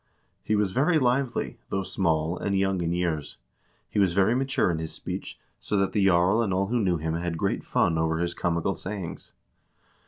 "He was very lively, though small, and young in years ; he was very mature in his speech, so that the jarl and all who knew him had great fun over his comical sayings.